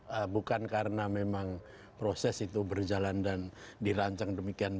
ya bukan karena memang proses itu berjalan dan dirancang demikian